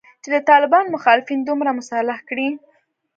چې د طالبانو مخالفین دومره مسلح کړي